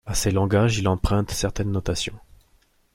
À ces langages il emprunte certaines notations.